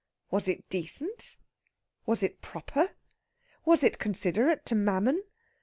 Was it decent? was it proper? was it considerate to Mammon?